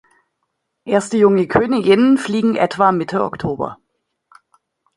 Erste junge Königinnen fliegen etwa Mitte Oktober.